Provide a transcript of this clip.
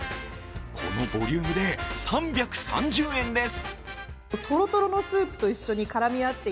このボリュームで３３０円です。